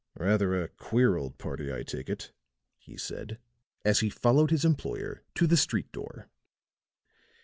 "Rather a queer old party, I take it," he said, as he followed his employer to the street door.